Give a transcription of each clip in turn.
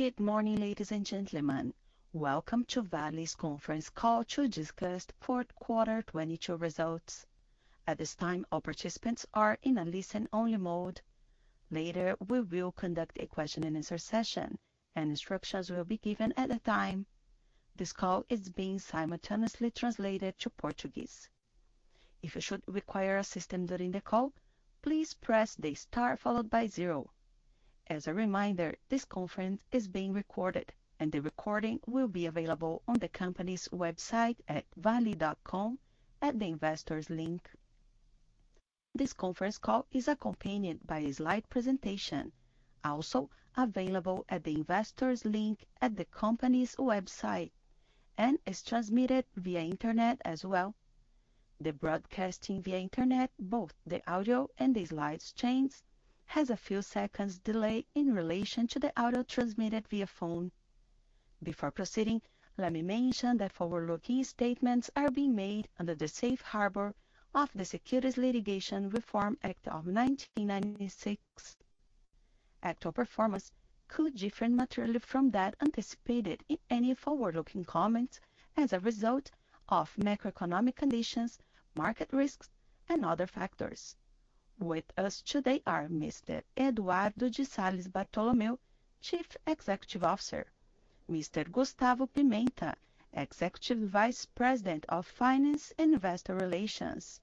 Good morning, ladies and gentlemen. Welcome to Vale's conference call to discuss fourth quarter 2022 results. At this time, all participants are in a listen only mode. Later, we will conduct a question and answer session, and instructions will be given at the time. This call is being simultaneously translated to Portuguese. If you should require assistance during the call, please press the star followed by zero. As a reminder, this conference is being recorded and the recording will be available on the company's website at vale.com at the Investors link. This conference call is accompanied by a slide presentation, also available at the Investors link at the company's website, and is transmitted via internet as well. The broadcasting via internet, both the audio and the slides chains, has a few seconds delay in relation to the audio transmitted via phone. Before proceeding, let me mention that forward-looking statements are being made under the Safe Harbor of the Securities Litigation Reform Act of 1996. Actual performance could differ materially from that anticipated in any forward-looking comments as a result of macroeconomic conditions, market risks and other factors. With us today are Mr. Eduardo De Salles Bartolomeo, Chief Executive Officer, Mr. Gustavo Pimenta, Executive Vice President of Finance Investor Relations,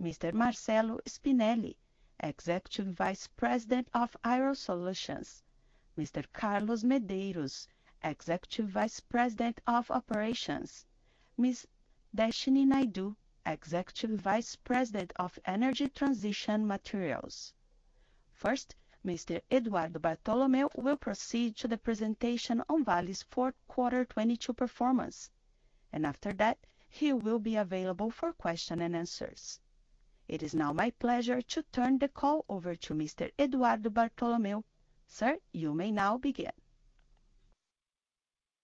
Mr. Marcello Spinelli, Executive Vice President of Iron Ore Solutions, Mr. Carlos Medeiros, Executive Vice President of Operations, Ms. Deshnee Naidoo, Executive Vice President of Energy Transition Materials. First, Mr. Eduardo Bartolomeo will proceed to the presentation on Vale's fourth quarter 2022 performance, and after that he will be available for question and answers. It is now my pleasure to turn the call over to Mr. Eduardo Bartolomeo. Sir, you may now begin.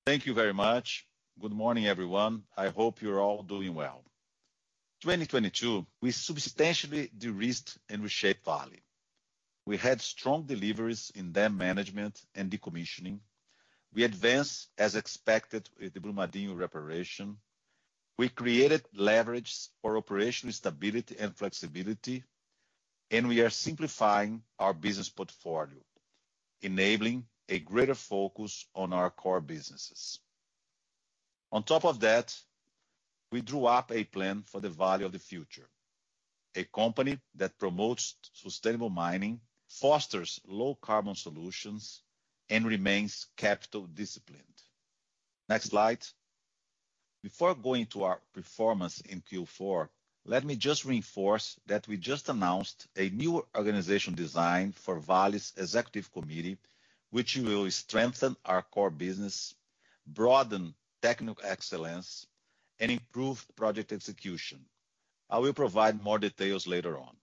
Thank you very much. Good morning, everyone. I hope you're all doing well. 2022, we substantially de-risked and reshaped Vale. We had strong deliveries in dam management and decommissioning. We advanced as expected with the Brumadinho reparation. We created leverage for operational stability and flexibility. We are simplifying our business portfolio, enabling a greater focus on our core businesses. On top of that, we drew up a plan for the Vale of the future, a company that promotes sustainable mining, fosters low carbon solutions, and remains capital disciplined. Next slide. Before going to our performance in Q4, let me just reinforce that we just announced a new organization design for Vale's executive committee, which will strengthen our core business, broaden technical excellence and improve project execution. I will provide more details later on.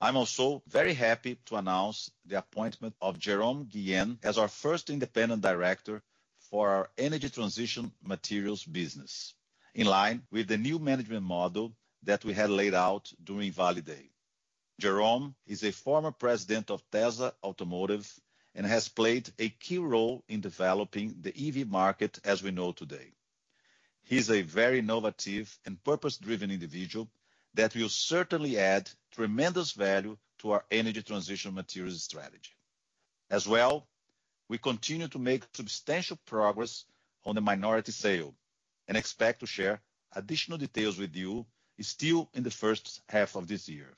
I'm also very happy to announce the appointment of Jerome Guillen as our first independent director for our Energy Transition Materials business. In line with the new management model that we had laid out during Vale Day. Jerome is a former president of Tesla Automotive and has played a key role in developing the EV market as we know today. He's a very innovative and purpose-driven individual that will certainly add tremendous value to our Energy Transition Materials strategy. As well, we continue to make substantial progress on the minority sale and expect to share additional details with you still in the first half of this year.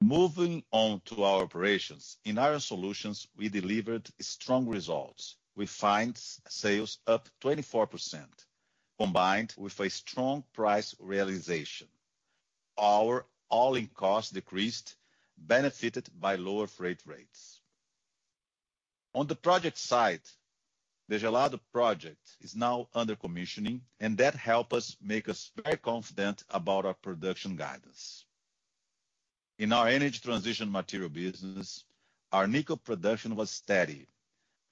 Moving on to our operations. In Iron Solutions, we delivered strong results. We find sales up 24% combined with a strong price realization. Our all-in cost decreased, benefited by lower freight rates. On the project side, the Gelado project is now under commissioning, that help us make us very confident about our production guidance. In our Energy Transition Material business, our nickel production was steady,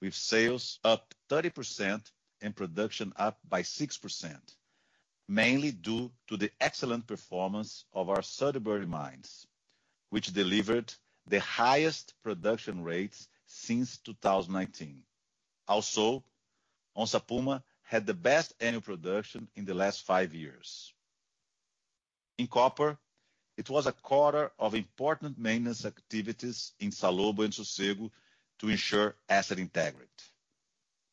with sales up 30% and production up by 6%, mainly due to the excellent performance of our Sudbury mines, which delivered the highest production rates since 2018. Onça Puma had the best annual production in the last five years. In copper, it was a quarter of important maintenance activities in Salobo and Sossego to ensure asset integrity,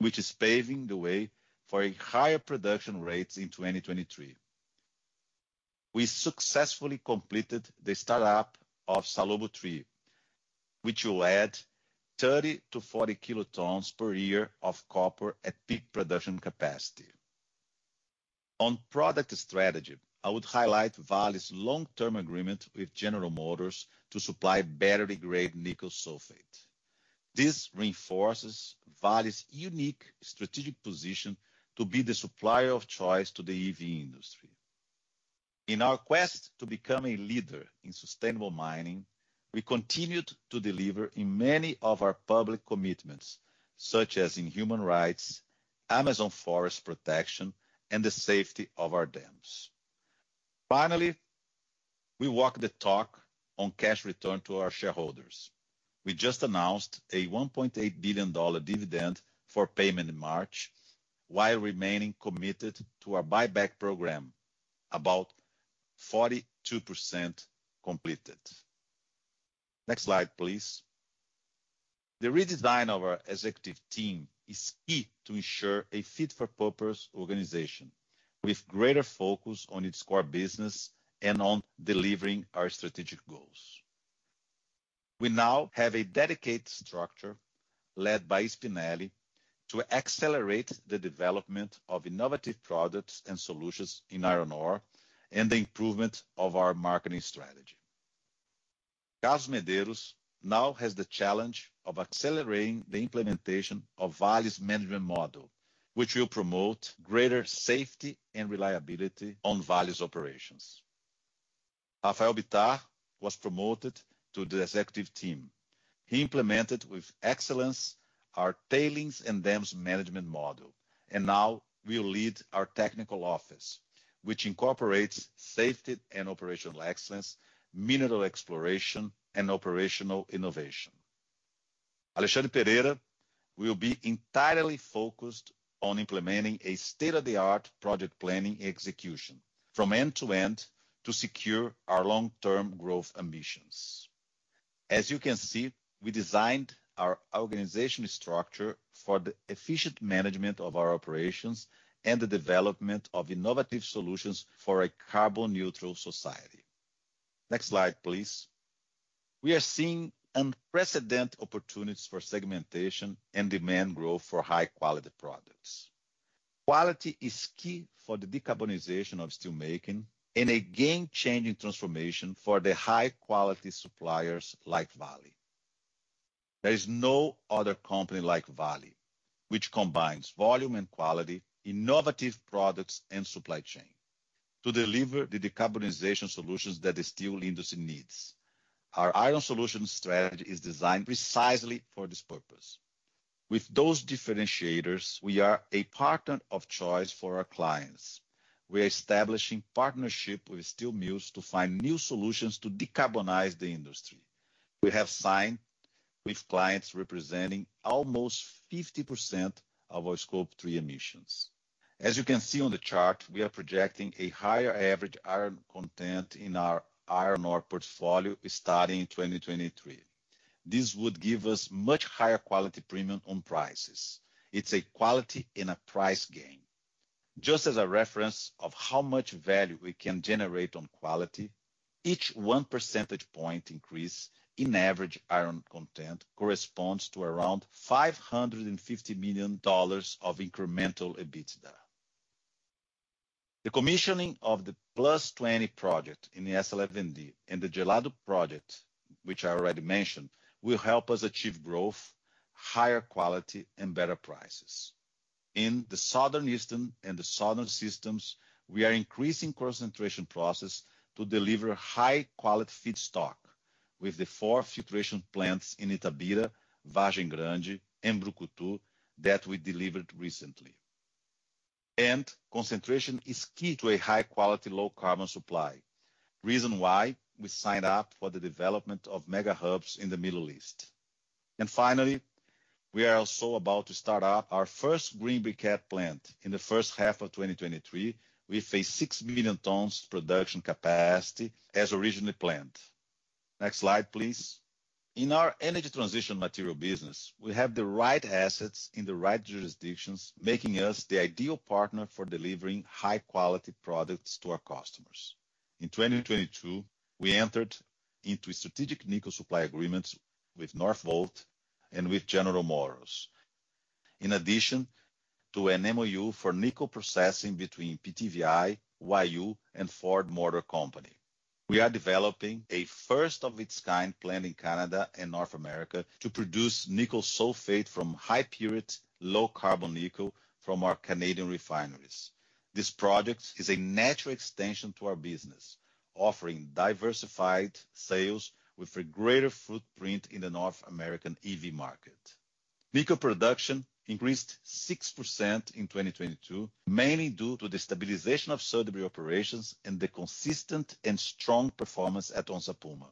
which is paving the way for a higher production rates in 2023. We successfully completed the startup of Salobo II, which will add 30 to 40 kilotons per year of copper at peak production capacity. On product strategy, I would highlight Vale's long-term agreement with General Motors to supply battery-grade nickel sulfate. This reinforces Vale's unique strategic position to be the supplier of choice to the EV industry. In our quest to become a leader in sustainable mining, we continued to deliver in many of our public commitments, such as in human rights, Amazon forest protection, and the safety of our dams. Finally, we walk the talk on cash return to our shareholders. We just announced a $1.8 billion dividend for payment in March while remaining committed to the buyback program, about 42% completed. Next slide, please. The redesign of our executive team is key to ensure a fit for purpose organization with greater focus on its core business and on delivering our strategic goals. We now have a dedicated structure led by Spinelli to accelerate the development of innovative products and solutions in iron ore and the improvement of our marketing strategy. Carlos Medeiros now has the challenge of accelerating the implementation of Vale's management model, which will promote greater safety and reliability on Vale's operations. Rafael Bittar was promoted to the executive team. He implemented with excellence our tailings and dams management model, and now will lead our technical office, which incorporates safety and operational excellence, mineral exploration and operational innovation. Alexandre Pereira will be entirely focused on implementing a state-of-the-art project planning execution from end to end to secure our long-term growth ambitions. As you can see, we designed our organizational structure for the efficient management of our operations and the development of innovative solutions for a carbon neutral society. Next slide, please. We are seeing unprecedented opportunities for segmentation and demand growth for high quality products. Quality is key for the decarbonization of steelmaking and a game-changing transformation for the high quality suppliers like Vale. There is no other company like Vale, which combines volume and quality, innovative products and supply chain to deliver the decarbonization solutions that the steel industry needs. Our Iron Solutions strategy is designed precisely for this purpose. With those differentiators, we are a partner of choice for our clients. We are establishing partnership with steel mills to find new solutions to decarbonize the industry. We have signed with clients representing almost 50% of our Scope 3 emissions. As you can see on the chart, we are projecting a higher average iron content in our iron ore portfolio starting in 2023. This would give us much higher quality pemium on prices. It's a quality and a price gain. Just as a reference of how much value we can generate on quality, each 1 percentage point increase in average iron content corresponds to around $550 million of incremental EBITDA. The commissioning of the plus 20 project in the S11D and the Gelado project, which I already mentioned, will help us achieve growth, higher quality and better prices. In the southern eastern and the southern systems, we are increasing concentration process to deliver high quality feedstock with the four filtration plants in Itabira, Vargem Grande, and Brucutu that we delivered recently. Concentration is key to a high quality, low carbon supply. Reason why we signed up for the development of Mega Hubs in the Middle East. Finally, we are also about to start up our first green briquette plant in the first half of 2023. We face 6 million tons production capacity as originally planned. Next slide, please. In our Energy Transition Materials business, we have the right assets in the right jurisdictions, making us the ideal partner for delivering high quality products to our customers. In 2022, we entered into strategic nickel supply agreements with Northvolt and with General Motors. In addition to an MOU for nickel processing between PTVI, Huayou, and Ford Motor Company. We are developing a first of its kind plant in Canada and North America to produce nickel sulfate from high purity, low carbon nickel from our Canadian refineries. This project is a natural extension to our business, offering diversified sales with a greater footprint in the North American EV market. Nickel production increased 6% in 2022, mainly due to the stabilization of Sudbury operations and the consistent and strong performance at Onça Puma.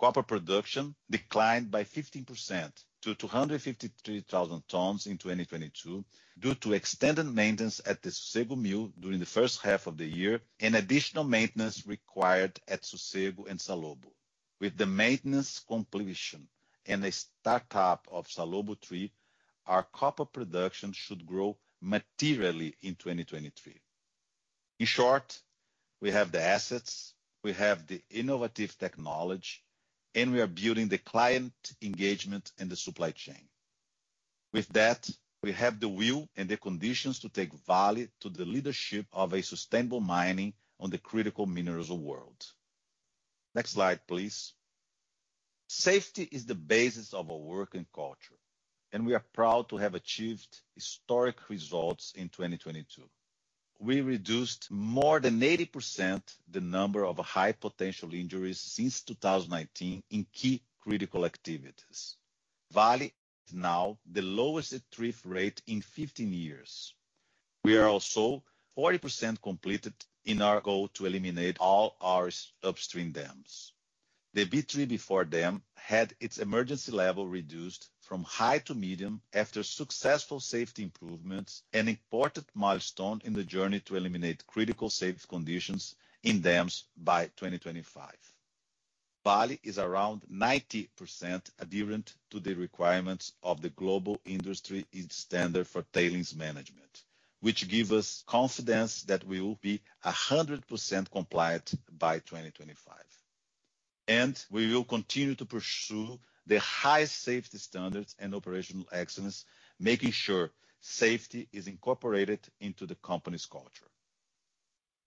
Copper production declined by 15% to 253,000 tons in 2022 due to extended maintenance at the Sossego mill during the first half of the year and additional maintenance required at Sossego and Salobo. With the maintenance completion and the startup of Salobo 3, our copper production should grow materially in 2023. In short, we have the assets, we have the innovative technology, and we are building the client engagement in the supply chain. With that, we have the will and the conditions to take Vale to the leadership of a sustainable mining on the critical minerals world. Next slide, please. Safety is the basis of our working culture, and we are proud to have achieved historic results in 2022. We reduced more than 80% the number of high potential injuries since 2019 in key critical activities. Vale now the lowest drift rate in 15 years. We are also 40% completed in our goal to eliminate all our upstream dams. The B3/B4 dam had its emergency level reduced from high to medium after successful safety improvements, an important milestone in the journey to eliminate critical safety conditions in dams by 2025. Vale is around 90% adherent to the requirements of the Global Industry Standard on Tailings Management, which give us confidence that we will be 100% compliant by 2025. We will continue to pursue the highest safety standards and operational excellence, making sure safety is incorporated into the company's culture.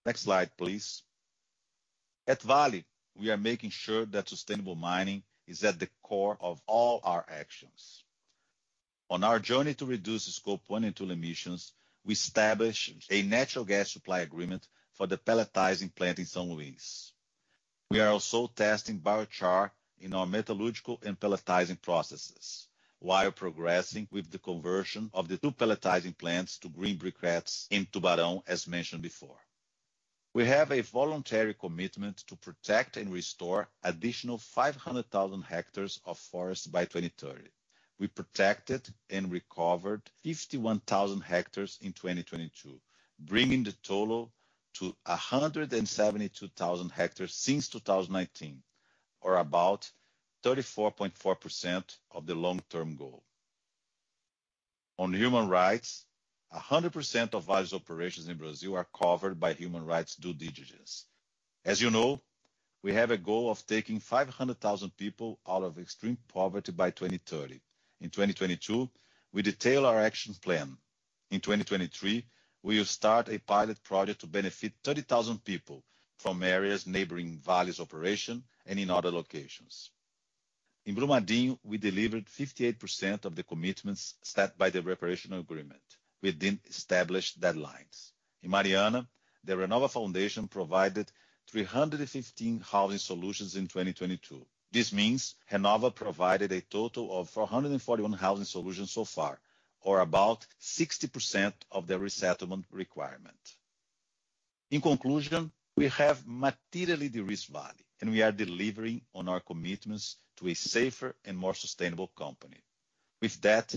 Next slide, please. At Vale, we are making sure that sustainable mining is at the core of all our actions. On our journey to reduce the Scope 1 and 2 emissions, we establish a natural gas supply agreement for the pelletizing plant in São Luís. We are also testing biochar in our metallurgical and pelletizing processes while progressing with the conversion of the two pelletizing plants to green briquettes in Tubarão, as mentioned before. We have a voluntary commitment to protect and restore additional 500,000 hectares of forest by 2030. We protected and recovered 51,000 hectares in 2022, bringing the total to 172,000 hectares since 2019, or about 34.4% of the long-term goal. On human rights, 100% of Vale's operations in Brazil are covered by human rights due diligence. As you know, we have a goal of taking 500,000 people out of extreme poverty by 2030. In 2022, we detail our action plan. In 2023, we will start a pilot project to benefit 30,000 people from areas neighboring Vale's operation and in other locations. In Brumadinho, we delivered 58% of the commitments set by the reparation agreement within established deadlines. In Mariana, the Renova Foundation provided 315 housing solutions in 2022. This means Renova provided a total of 441 housing solutions so far, or about 60% of their resettlement requirement. In conclusion, we have materially de-risked Vale, and we are delivering on our commitments to a safer and more sustainable company. With that,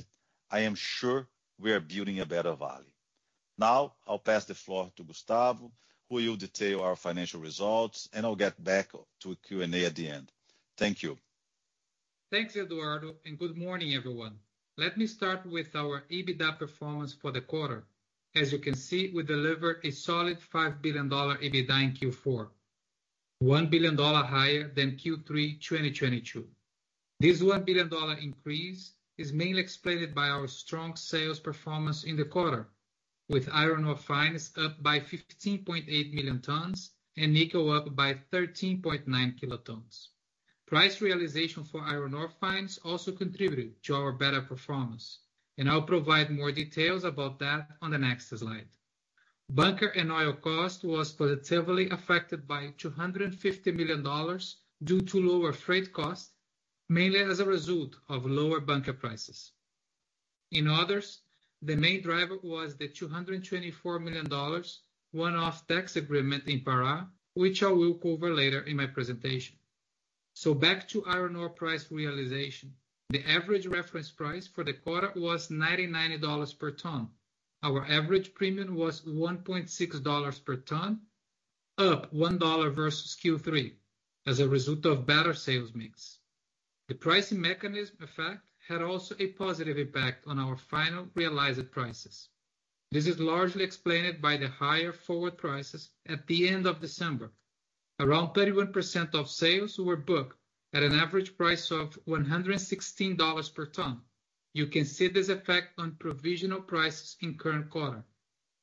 I am sure we are building a better Vale. Now, I'll pass the floor to Gustavo, who will detail our financial results, and I'll get back to Q&A at the end. Thank you. Thanks, Eduardo, good morning, everyone. Let me start with our EBITDA performance for the quarter. As you can see, we delivered a solid $5 billion EBITDA in Q4, $1 billion higher than Q3 2022. This $1 billion increase is mainly explained by our strong sales performance in the quarter, with iron ore fines up by 15.8 million tons and nickel up by 13.9 kilotons. Price realization for iron ore fines also contributed to our better performance. I'll provide more details about that on the next slide. Bunker and oil cost was positively affected by $250 million due to lower freight cost, mainly as a result of lower bunker prices. In others, the main driver was the $224 million one-off tax agreement in Pará, which I will cover later in my presentation. Back to iron ore price realization. The average reference price for the quarter was $99 per ton. Our average premium was $1.6 per ton, up $1 versus Q3 as a result of better sales mix. The pricing mechanism effect had also a positive impact on our final realized prices. This is largely explained by the higher forward prices at the end of December. Around 31% of sales were booked at an average price of $116 per ton. You can see this effect on provisional prices in current quarter,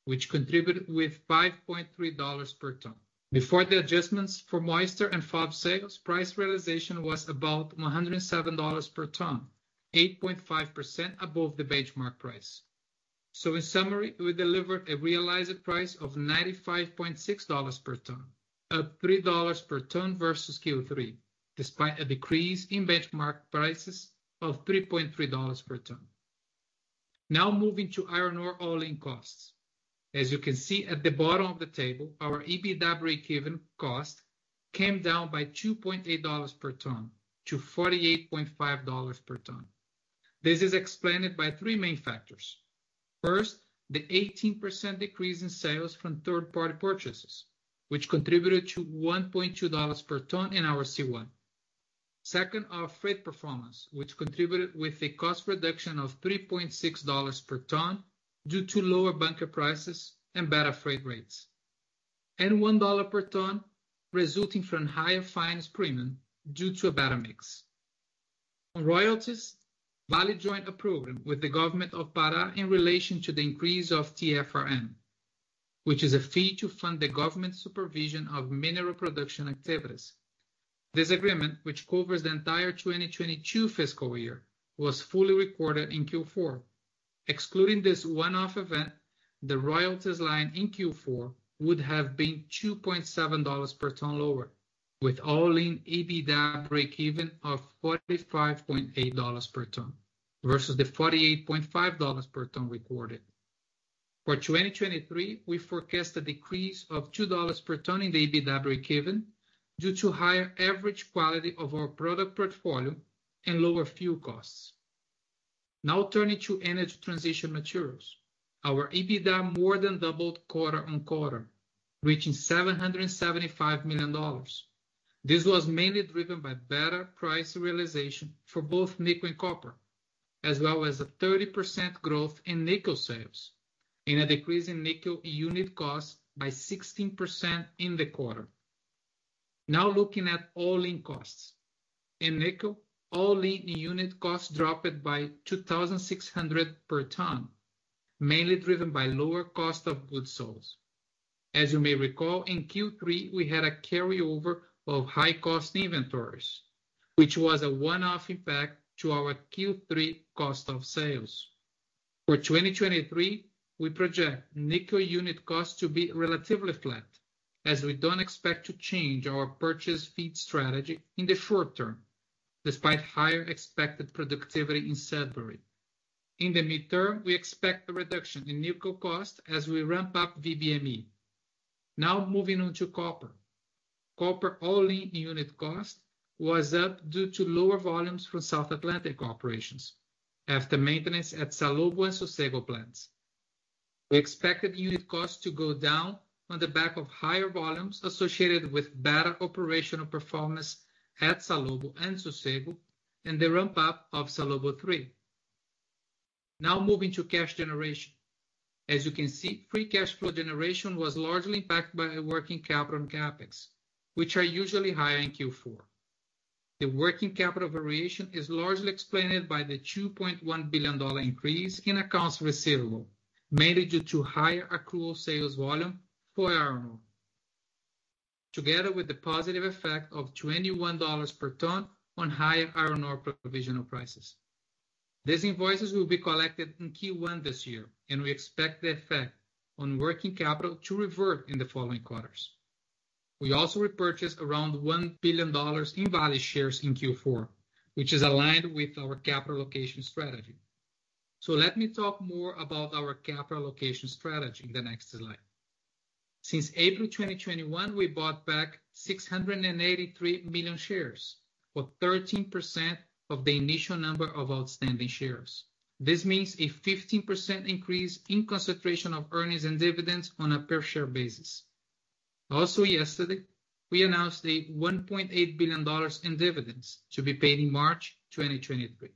which contributed with $5.3 per ton. Before the adjustments for moisture and FOB sales, price realization was about $107 per ton, 8.5% above the benchmark price. In summary, we delivered a realized price of $95.6 per ton, up $3 per ton versus Q3, despite a decrease in benchmark prices of $3.3 per ton. Now moving to iron ore all-in costs. As you can see at the bottom of the table, our EBITDA breakeven cost came down by $2.8 per ton to $48.5 per ton. This is explained by three main factors. First, the 18% decrease in sales from third-party purchases, which contributed to $1.2 per ton in our C1. Second, our freight performance, which contributed with a cost reduction of $3.6 per ton due to lower bunker prices and better freight rates. $1 per ton resulting from higher fines premium due to a better mix. On royalties, Vale joined a program with the government of Pará in relation to the increase of TFRM, which is a fee to fund the government supervision of mineral production activities. This agreement, which covers the entire 2022 fiscal year, was fully recorded in Q4. Excluding this one-off event, the royalties line in Q4 would have been $2.7 per ton lower. With all-in EBITDA breakeven of $45.8 per tonne versus the $48.5 per tonne recorded. For 2023, we forecast a decrease of $2 per tonne in the EBITDA breakeven due to higher average quality of our product portfolio and lower fuel costs. Turning to Energy Transition Materials. Our EBITDA more than doubled quarter-over-quarter, reaching $775 million. This was mainly driven by better price realization for both nickel and copper, as well as a 30% growth in nickel sales and a decrease in nickel unit cost by 16% in the quarter. Looking at all-in costs. In nickel, all-in unit costs dropped by $2,600 per tonne, mainly driven by lower cost of good sales. You may recall, in Q3 we had a carryover of high-cost inventories, which was a one-off impact to our Q3 cost of sales. For 2023, we project nickel unit cost to be relatively flat as we don't expect to change our purchase feed strategy in the short term, despite higher expected productivity in Sudbury. In the midterm, we expect a reduction in nickel cost as we ramp up VBME. Moving on to copper. Copper all-in unit cost was up due to lower volumes from South Atlantic operations after maintenance at Salobo and Sossego plants. We expect the unit cost to go down on the back of higher volumes associated with better operational performance at Salobo and Sossego and the ramp up of Salobo III. Moving to cash generation. As you can see, free cash flow generation was largely impacted by working capital and CapEx, which are usually higher in Q4. The working capital variation is largely explained by the $2.1 billion increase in accounts receivable, mainly due to higher accrual sales volume for iron ore. Together with the positive effect of $21 per ton on higher iron ore provisional prices. These invoices will be collected in Q1 this year, and we expect the effect on working capital to revert in the following quarters. We also repurchased around $1 billion in Vale shares in Q4, which is aligned with our capital allocation strategy. Let me talk more about our capital allocation strategy in the next slide. Since April 2021, we bought back 683 million shares or 13% of the initial number of outstanding shares. This means a 15% increase in concentration of earnings and dividends on a per share basis. Yesterday, we announced a $1.8 billion in dividends to be paid in March 2023.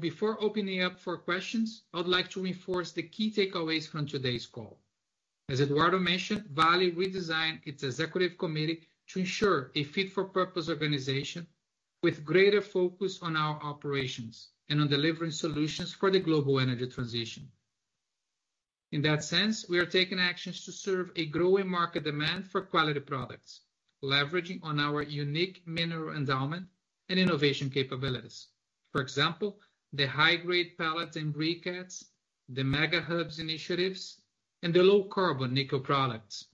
Before opening up for questions, I would like to reinforce the key takeaways from today's call. As Eduardo mentioned, Vale redesigned its executive committee to ensure a fit-for-purpose organization with greater focus on our operations and on delivering solutions for the global energy transition. In that sense, we are taking actions to serve a growing market demand for quality products, leveraging on our unique mineral endowment and innovation capabilities. For example, the high-grade pellets and briquettes, the Mega Hubs initiatives, and the low carbon nickel products.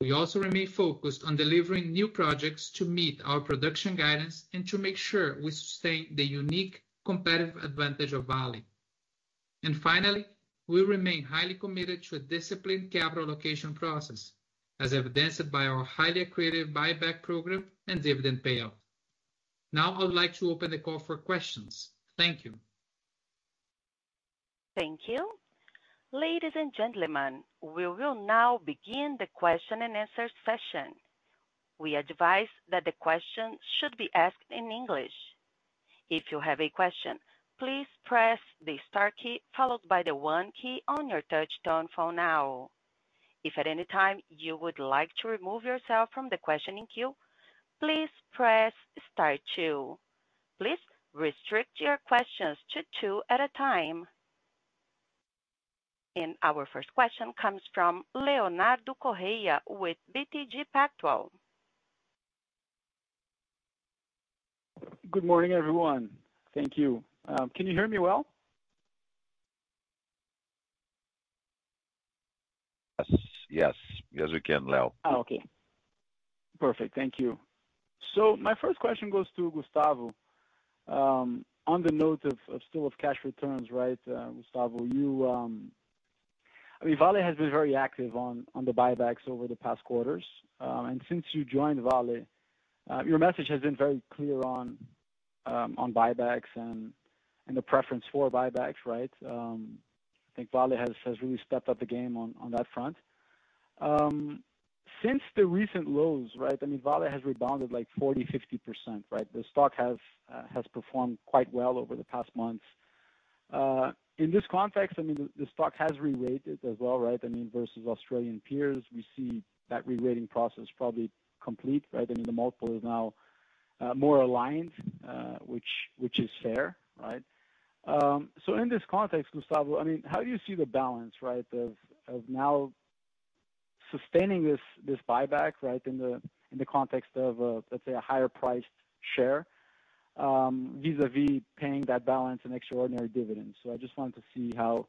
We also remain focused on delivering new projects to meet our production guidance and to make sure we sustain the unique competitive advantage of Vale. Finally, we remain highly committed to a disciplined capital allocation process as evidenced by our highly accretive buyback program and dividend payout. Now I would like to open the call for questions. Thank you. Thank you. Ladies and gentlemen, we will now begin the question and answer session. We advise that the questions should be asked in English. If you have a question, please press the star key followed by the one key on your touch tone phone now. If at any time you would like to remove yourself from the questioning queue, please press star two. Please restrict your questions to two at a time. Our first question comes from Leonardo Correa with BTG Pactual. Good morning, everyone. Thank you. Can you hear me well? Yes. Yes. Yes, we can, Leo. Okay. Perfect. Thank you. My first question goes to Gustavo. On the note of still of cash returns, right, Gustavo, you, I mean, Vale has been very active on the buybacks over the past quarters. And since you joined Vale, your message has been very clear on buybacks and the preference for buybacks, right? I think Vale has really stepped up the game on that front. Since the recent lows, right, I mean, Vale has rebounded like 40%, 50%, right? The stock has performed quite well over the past months. In this context, I mean, the stock has reweighted as well, right? I mean, versus Australian peers, we see that reweighting process probably complete, right? I mean, the multiple is now more aligned, which is fair, right? In this context, Gustavo, I mean, how do you see the balance, right? Of now sustaining this buyback, right? In the context of, let's say a higher priced share? Vis-a-vis paying that balance an extraordinary dividend. I just wanted to see how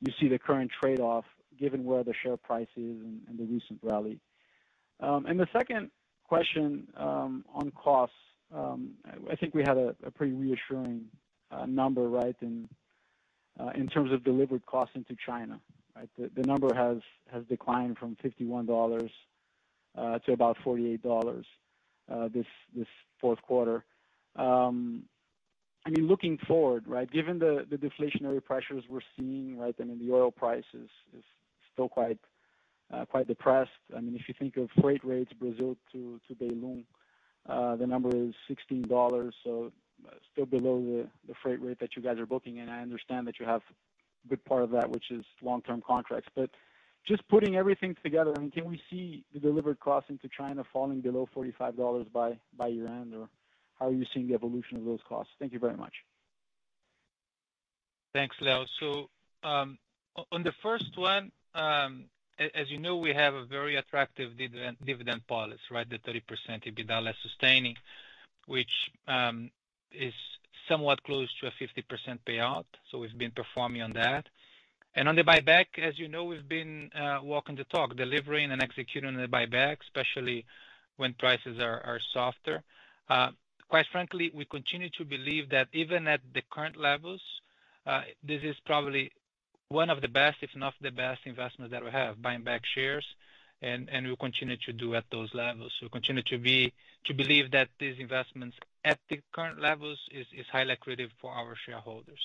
you see the current trade-off given where the share price is and the recent rally. The second question on costs. I think we had a pretty reassuring number in terms of delivered costs into China. The number has declined from $51 to about $48 this fourth quarter. I mean, looking forward, given the deflationary pressures we're seeing, I mean, the oil price is still quite depressed. I mean, if you think of freight rates, Brazil to Beilun, the number is $16, so still below the freight rate that you guys are booking. I understand that you have good part of that, which is long-term contracts. Just putting everything together, I mean, can we see the delivered costs into China falling below $45 by year-end? How are you seeing the evolution of those costs? Thank you very much. Thanks, Leo. As you know, we have a very attractive dividend policy, right? The 30% EBITDA less sustaining, which is somewhat close to a 50% payout, we've been performing on that. On the buyback, as you know, we've been walking the talk, delivering and executing the buyback, especially when prices are softer. Quite frankly, we continue to believe that even at the current levels, this is probably one of the best, if not the best investment that we have, buying back shares, and we'll continue to do at those levels. We continue to believe that these investments at the current levels is highly accretive for our shareholders.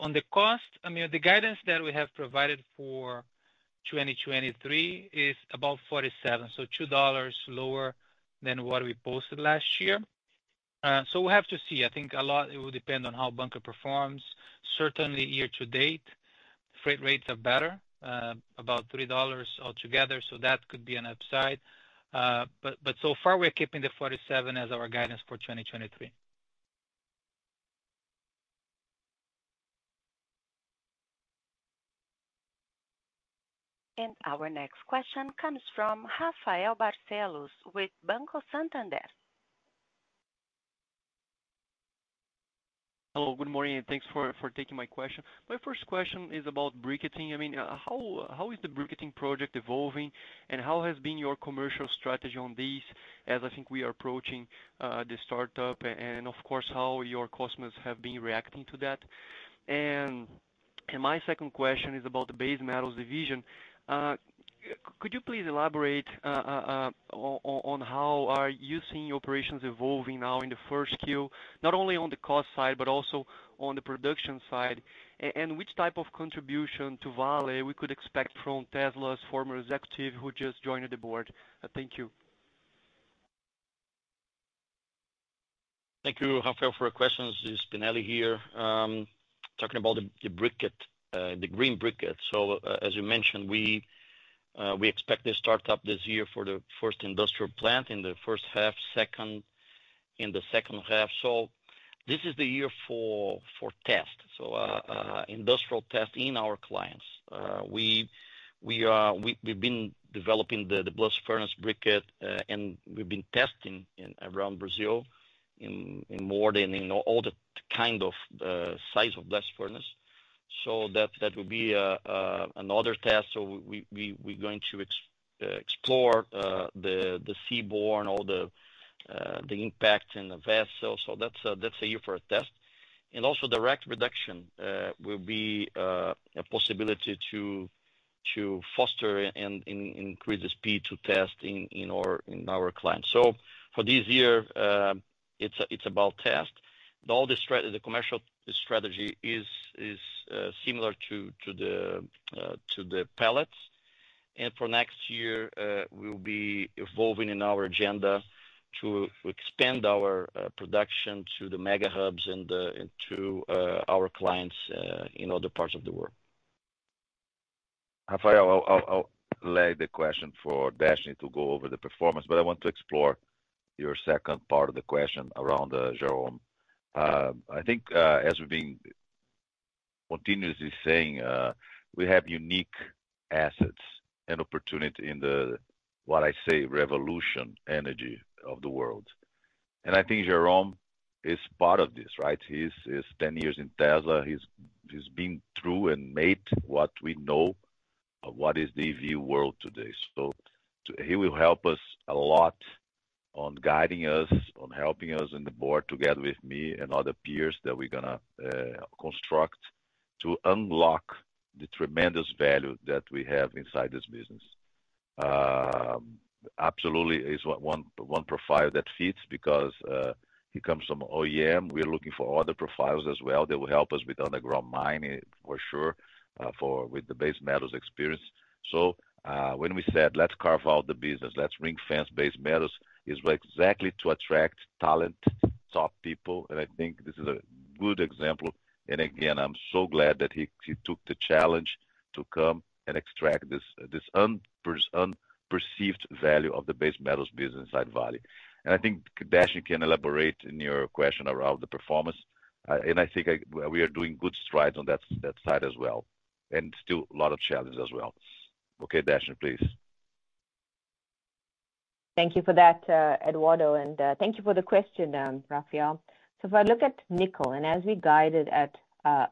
On the cost, I mean, the guidance that we have provided for 2023 is about $47, so $2 lower than what we posted last year. We'll have to see. I think a lot it will depend on how bunker performs. Certainly year-to-date, freight rates are better, about $3 altogether, that could be an upside. So far we're keeping the $47 as our guidance for 2023. Our next question comes from Rafael Barcellos with Banco Santander. Hello, good morning, thanks for taking my question. My first question is about briquetting. I mean, how is the briquetting project evolving, and how has been your commercial strategy on this, as I think we are approaching the startup and of course, how your customers have been reacting to that? My second question is about the base metals division. Could you please elaborate on how are you seeing operations evolving now in the first Q, not only on the cost side but also on the production side? Which type of contribution to Vale we could expect from Tesla's former executive who just joined the board? Thank you. Thank you, Rafael, for your questions. This is Spinelli here. Talking about the green briquette. As you mentioned, we expect to start up this year for the first industrial plant in the first half, second in the second half. This is the year for test. Industrial test in our clients. We've been developing the blast furnace briquette and we've been testing around Brazil in all the kind of size of blast furnace. That would be another test. We're going to explore the seaborne, all the impact in the vessels. That's a year for a test. Also direct reduction will be a possibility to foster and increase the speed to test in our clients. For this year, it's about test. All the commercial strategy is similar to the pellets. For next year, we'll be evolving in our agenda to expand our production to the Mega Hubs and to our clients in other parts of the world. Rafael, I'll lay the question for Deshnee to go over the performance, but I want to explore your second part of the question around Jerome. I think as we've been continuously saying, we have unique assets and opportunity in the, what I say, revolution energy of the world. I think Jerome is part of this, right? He's 10 years in Tesla. He's been through and made what we know of what is the EV world today. He will help us a lot on guiding us, on helping us in the board together with me and other peers that we're going to construct to unlock the tremendous value that we have inside this business. Absolutely is one profile that fits because he comes from OEM. We're looking for other profiles as well that will help us with underground mining, for sure, with the base metals experience. When we said, "Let's carve out the business, let's ring-fence base metals," is exactly to attract talent, top people, and I think this is a good example. Again, I'm so glad that he took the challenge to come and extract this unperceived value of the base metals business at Vale. I think Deshnee can elaborate in your question around the performance. I think we are doing good strides on that side as well, and still a lot of challenges as well. Okay, Deshnee, please Thank you for that, Eduardo. Thank you for the question, Rafael. If I look at nickel, and as we guided at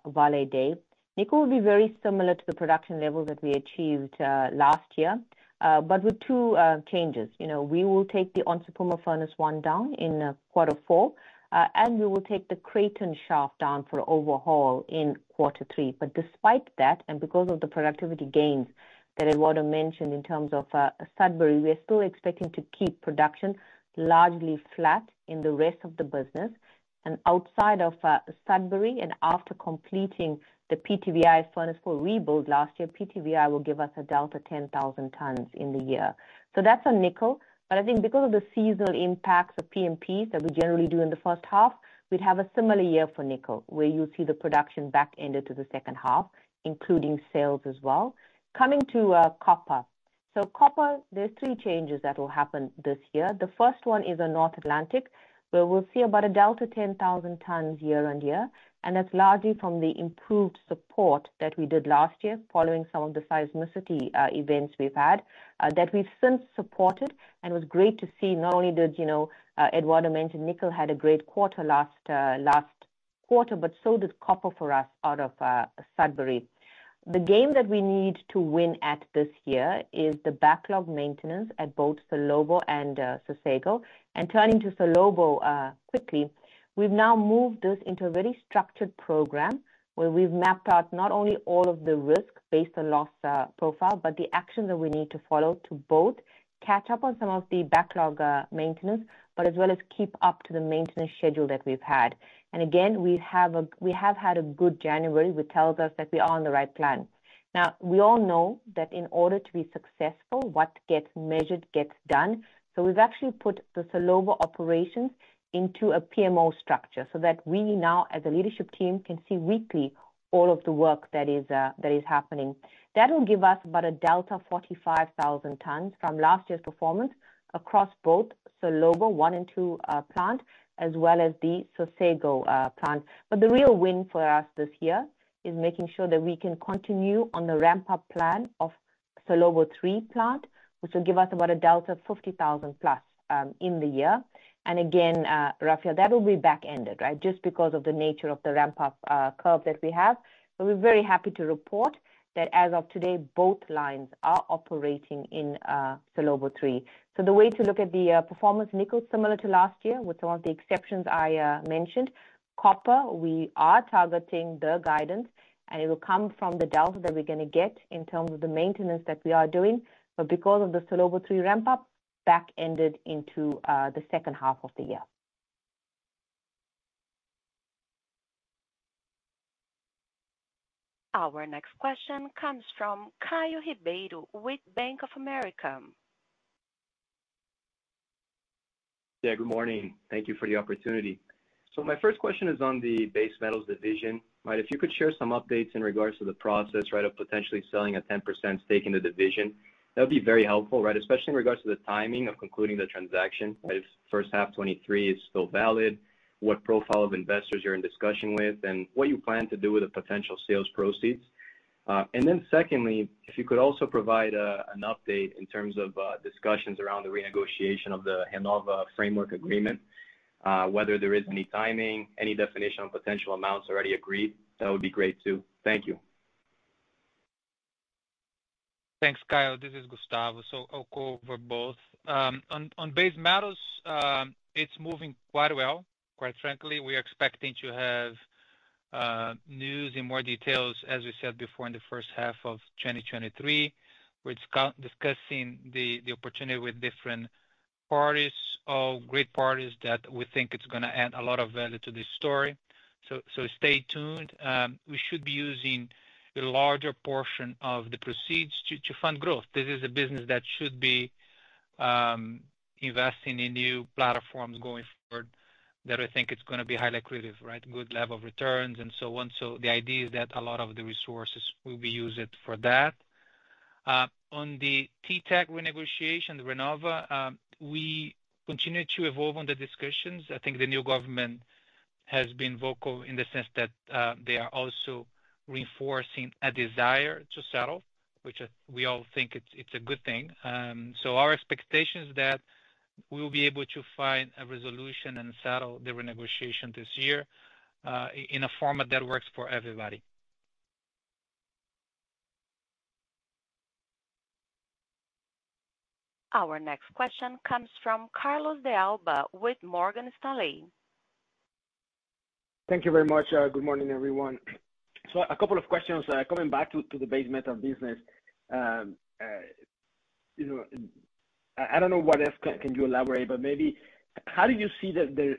Vale Day, nickel will be very similar to the production level that we achieved last year, but with two changes. You know, we will take the Onça Puma furnace one down in quarter four, and we will take the Creighton shaft down for overhaul in quarter three. Despite that, and because of the productivity gains that Eduardo mentioned in terms of Sudbury, we are still expecting to keep production largely flat in the rest of the business. Outside of Sudbury and after completing the PTVI furnace four rebuild last year, PTVI will give us a delta 10,000 tons in the year. That's on nickel. I think because of the seasonal impacts of PMPs that we generally do in the first half, we'd have a similar year for nickel, where you'll see the production back-ended to the second half, including sales as well. Coming to copper. Copper, there's three changes that will happen this year. The first one is on North Atlantic, where we'll see about a delta 10,000 tons year-on-year. That's largely from the improved support that we did last year following some of the seismicity events we've had that we've since supported. It was great to see not only did, you know, Eduardo mention nickel had a great quarter last quarter, but so did copper for us out of Sudbury. The game that we need to win at this year is the backlog maintenance at both Salobo and Sossego. Turning to Salobo, quickly, we've now moved this into a very structured program where we've mapped out not only all of the risk based on loss profile, but the actions that we need to follow to both catch up on some of the backlog maintenance, but as well as keep up to the maintenance schedule that we've had. Again, we have had a good January, which tells us that we are on the right plan. We all know that in order to be successful, what gets measured gets done. We've actually put the Salobo operations into a PMO structure so that we now, as a leadership team, can see weekly all of the work that is happening. That will give us about a delta 45,000 tons from last year's performance across both Salobo 1 and 2 plant, as well as the Sossego plant. The real win for us this year is making sure that we can continue on the ramp-up plan of Salobo 3 plant, which will give us about a delta 50,000 plus in the year. Again, Rafael, that will be back-ended, right? Just because of the nature of the ramp-up curve that we have. We're very happy to report that as of today, both lines are operating in Salobo 3. The way to look at the performance, nickel is similar to last year with some of the exceptions I mentioned. Copper, we are targeting the guidance, and it will come from the delta that we're gonna get in terms of the maintenance that we are doing. Because of the Salobo 3 ramp-up, back-ended into the second half of the year. Our next question comes from Caio Ribeiro with Bank of America. Yeah, good morning. Thank you for the opportunity. My first question is on the base metals division. Right, if you could share some updates in regards to the process, right, of potentially selling a 10% stake in the division, that would be very helpful, right? Especially in regards to the timing of concluding the transaction, right? If first half 2023 is still valid, what profile of investors you're in discussion with, and what you plan to do with the potential sales proceeds. Secondly, if you could also provide an update in terms of discussions around the renegotiation of the Renova Foundation Agreement, whether there is any timing, any definition of potential amounts already agreed, that would be great, too. Thank you. Thanks, Caio. This is Gustavo. I'll cover both. On base metals, it's moving quite well, quite frankly. We are expecting to have news in more details, as we said before, in the first half of 2023. We're discussing the opportunity with different parties, all great parties that we think it's gonna add a lot of value to this story. Stay tuned. We should be using the larger portion of the proceeds to fund growth. This is a business that should be investing in new platforms going forward that I think it's gonna be highly accretive, right? Good level of returns and so on. The idea is that a lot of the resources will be used for that. On the TTAC renegotiation, the Renova, we continue to evolve on the discussions. I think the new government has been vocal in the sense that, they are also reinforcing a desire to settle, we all think it's a good thing. Our expectation is that we will be able to find a resolution and settle the renegotiation this year, in a format that works for everybody. Our next question comes from Carlos De Alba with Morgan Stanley. Thank you very much. Good morning, everyone. A couple of questions, coming back to the base metal business. You know, I don't know what else can you elaborate, but maybe how do you see the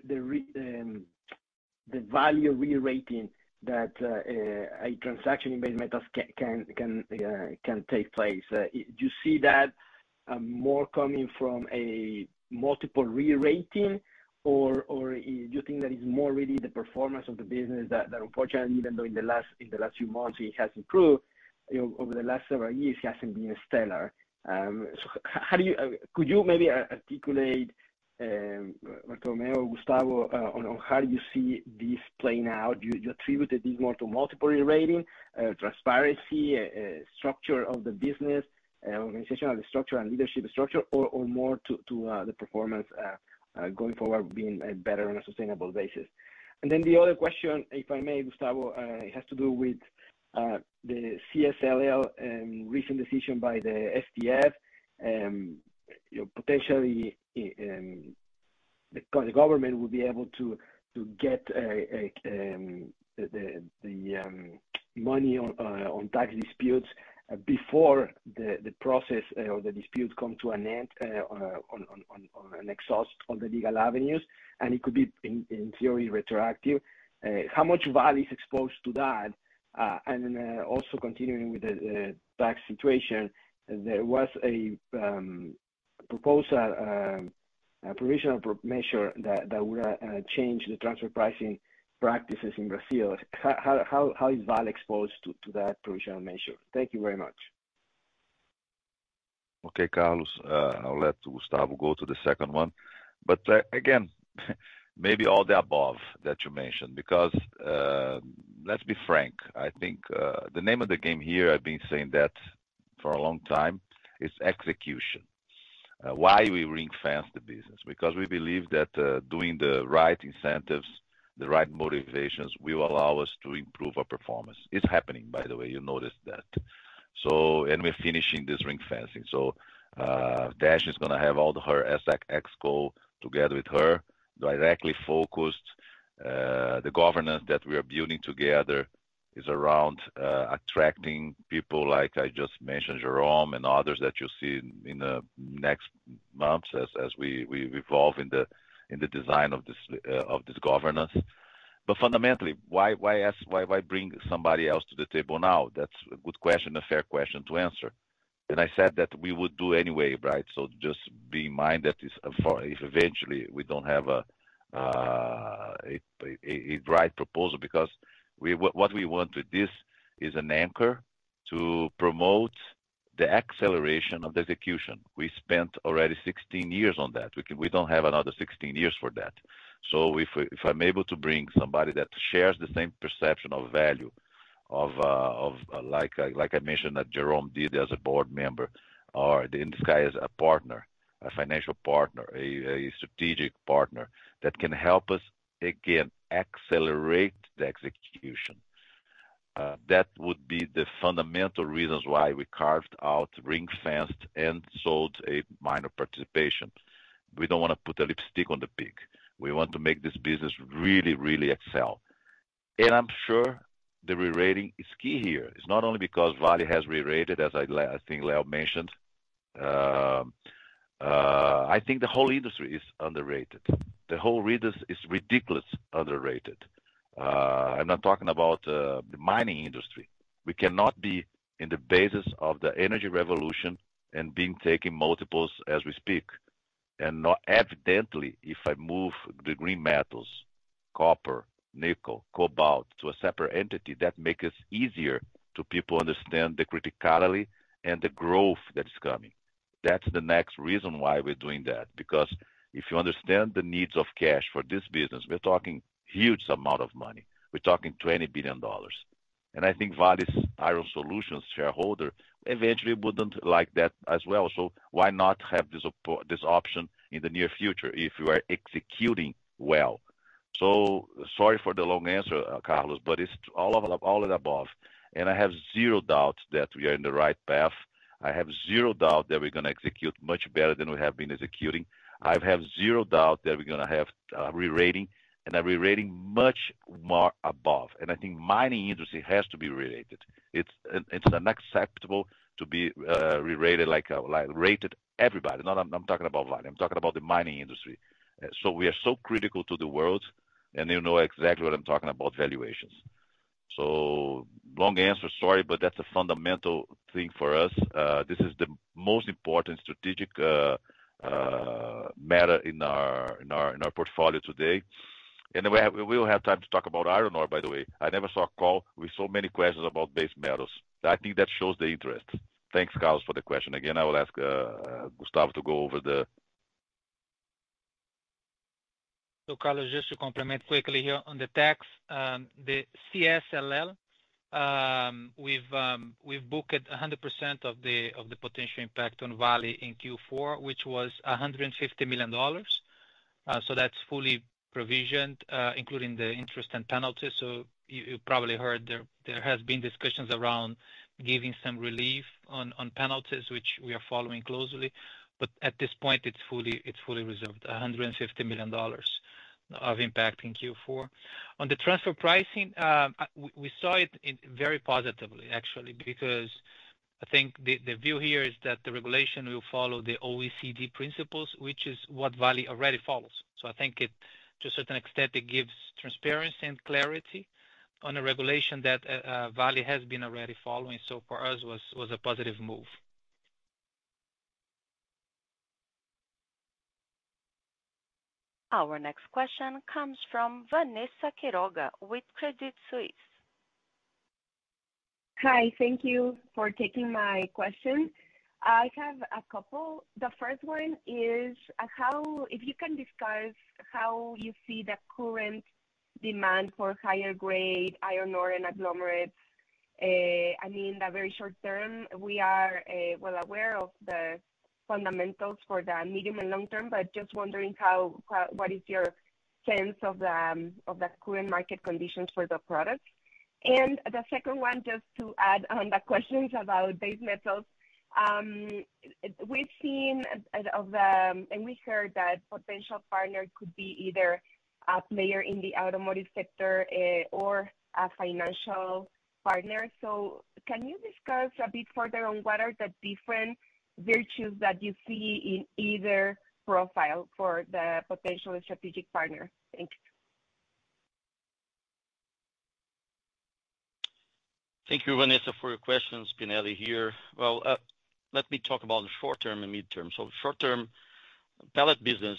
value rerating that a transaction in base metals can take place? Do you see that more coming from a multiple rerating? Or do you think that it's more really the performance of the business that unfortunately, even though in the last few months it has improved, you know, over the last several years, it hasn't been stellar. How do you Could you maybe articulate, Eduardo or Gustavo, on how you see this playing out? Do you attribute it more to multiple rerating, transparency, structure of the business, organizational structure and leadership structure or, more to the performance, going forward being better on a sustainable basis? The other question, if I may, Gustavo, it has to do with the CSLL, recent decision by the STF. You know, potentially, the government will be able to get a, the money on tax disputes before the process or the disputes come to an end on an exhaust on the legal avenues, and it could be in theory, retroactive. How much Vale is exposed to that? Then also continuing with the tax situation, there was a proposal, a provisional measure that would change the transfer pricing practices in Brazil. How is Vale exposed to that provisional measure? Thank you very much. Okay, Carlos, I'll let Gustavo go to the second one. Again, maybe all the above that you mentioned because, let's be frank, I think, the name of the game here, I've been saying that for a long time, is execution. Why we ring-fence the business? Because we believe that doing the right incentives, the right motivations will allow us to improve our performance. It's happening, by the way, you noticed that. We're finishing this ring-fencing. Dash is gonna have all her exec exco together with her directly focused. The governance that we are building together is around attracting people like I just mentioned, Jerome and others that you'll see in the next months as we evolve in the design of this governance. Fundamentally, why ask, why bring somebody else to the table now? That's a good question, a fair question to answer. I said that we would do anyway, right? Just bear in mind that if eventually we don't have a right proposal because what we want with this is an anchor to promote the acceleration of the execution. We spent already 16 years on that. We don't have another 16 years for that. If I'm able to bring somebody that shares the same perception of value of, like I mentioned that Jerome did as a board member, or in this case, a partner, a financial partner, a strategic partner that can help us, again, accelerate the execution, that would be the fundamental reasons why we carved out, ring-fenced, and sold a minor participation. We don't wanna put a lipstick on the pig. We want to make this business really excel. I'm sure the rerating is key here. It's not only because Vale has rerated, as I think Leo mentioned. I think the whole industry is underrated. The whole rate is ridiculous underrated. I'm not talking about the mining industry. We cannot be in the basis of the energy revolution and being taking multiples as we speak. Now evidently, if I move the green metals, copper, nickel, cobalt to a separate entity, that make us easier to people understand the criticality and the growth that is coming. That's the next reason why we're doing that. If you understand the needs of cash for this business, we're talking huge amount of money. We're talking $20 billion. I think Vale's Iron Solutions shareholder eventually wouldn't like that as well. Why not have this option in the near future if you are executing well? Sorry for the long answer, Carlos, but it's all of the above. I have zero doubt that we are in the right path. I have zero doubt that we're gonna execute much better than we have been executing. I have zero doubt that we're gonna have a rerating and a rerating much more above. I think mining industry has to be rerated. It's unacceptable to be rerated like rated everybody. Not I'm talking about Vale, I'm talking about the mining industry. We are so critical to the world, and you know exactly what I'm talking about valuations. Long answer, sorry, but that's a fundamental thing for us. This is the most important strategic matter in our portfolio today. We will have time to talk about iron ore, by the way. I never saw a call with so many questions about base metals. I think that shows the interest. Thanks, Carlos, for the question. Again, I will ask Gustavo to go over the... Carlos, just to complement quickly here on the tax, the CSLL, we've booked 100% of the potential impact on Vale in Q4, which was $150 million. That's fully provisioned, including the interest and penalties. You probably heard there has been discussions around giving some relief on penalties, which we are following closely. At this point, it's fully reserved, $150 million of impact in Q4. On the transfer pricing, we saw it in very positively actually, because I think the view here is that the regulation will follow the OECD principles, which is what Vale already follows. I think it, to a certain extent, it gives transparency and clarity on a regulation that Vale has been already following. For us was a positive move. Our next question comes from Vanessa Quiroga with Credit Suisse. Hi, thank you for taking my question. I have a couple. The first one is If you can discuss how you see the current demand for higher grade iron ore and agglomerates, I mean, the very short term, we are well aware of the fundamentals for the medium and long term, but just wondering how what is your sense of the current market conditions for the product? The second one, just to add on the questions about base metals. We've seen and we heard that potential partner could be either a player in the automotive sector or a financial partner. Can you discuss a bit further on what are the different virtues that you see in either profile for the potential strategic partner? Thanks. Thank you, Vanessa, for your questions. Spinelli here. Let me talk about the short term and mid-term. Short term pellet business,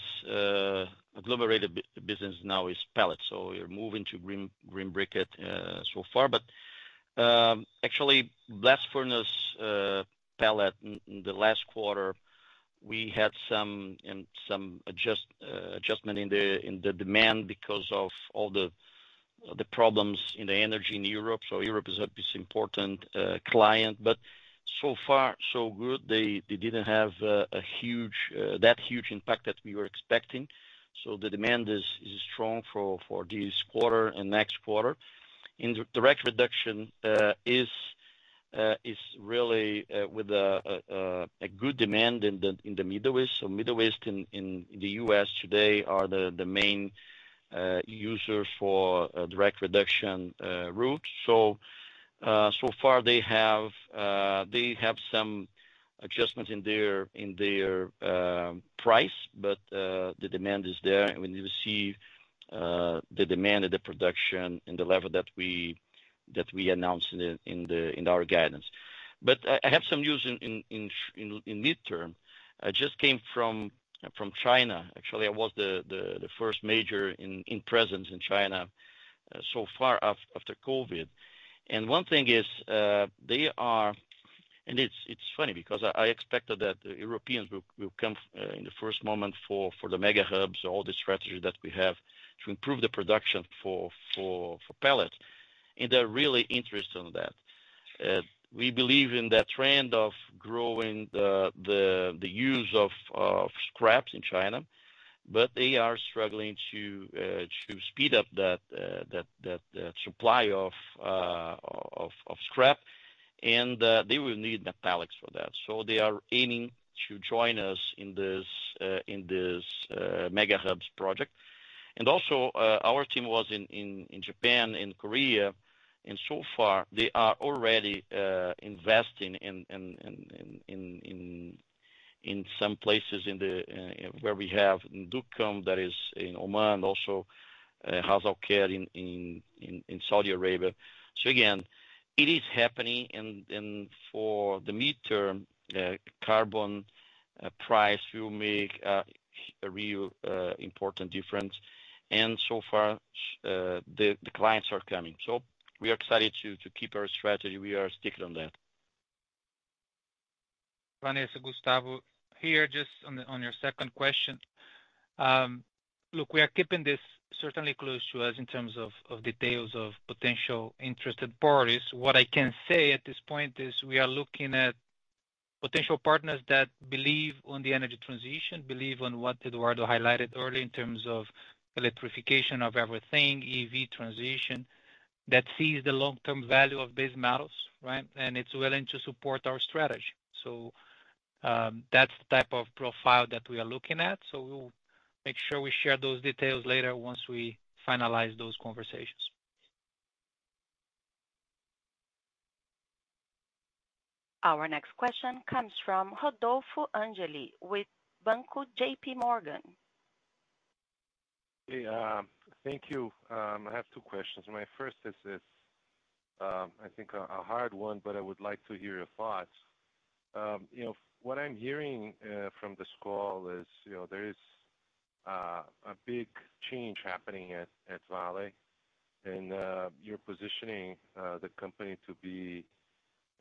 agglomerated business now is pellets. We are moving to green briquette so far. Actually blast furnace pellet in the last quarter, we had some, and some adjustment in the demand because of all the problems in the energy in Europe. Europe is important client, but so far so good. They didn't have that huge impact that we were expecting. The demand is strong for this quarter and next quarter. In direct reduction is really with a good demand in the Midwest. Midwest in the U.S. today are the main users for a direct reduction route. So far they have some adjustments in their price, but the demand is there. We will see the demand and the production in the level that we announced in our guidance. I have some news in mid-term. I just came from China. Actually, I was the first major in presence in China after COVID. One thing is, it's funny because I expected that Europeans will come in the first moment for the Mega Hubs, all the strategy that we have to improve the production for pellet. They're really interested in that. We believe in that trend of growing the use of scraps in China. They are struggling to speed up that supply of scrap. They will need the pellets for that. They are aiming to join us in this Mega Hubs project. Also, our team was in Japan and Korea, and so far they are already investing in some places in the where we have Duqm that is in Oman, also, Ras Al-Khair in Saudi Arabia. Again, it is happening and for the mid-term, carbon price will make a real important difference. So far, the clients are coming. We are excited to keep our strategy. We are sticking on that. Vanessa, Gustavo here. Just on your second question. Look, we are keeping this certainly close to us in terms of details of potential interested parties. What I can say at this point is we are looking at potential partners that believe on the Energy Transition, believe on what Eduardo highlighted early in terms of electrification of everything, EV transition, that sees the long-term value of base metals, right? It's willing to support our strategy. That's the type of profile that we are looking at. We will make sure we share those details later once we finalize those conversations. Our next question comes from Rodolfo De Angele with JPMorgan. Hey, thank you. I have two questions. My first is, I think a hard one, but I would like to hear your thoughts. You know, what I'm hearing from this call is, you know, there is a big change happening at Vale, and you're positioning the company to be